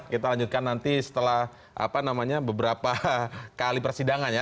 kita lanjutkan nanti setelah beberapa kali persidangan ya